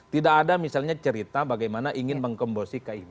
tidak ada misalnya cerita bagaimana ingin menggembosi kib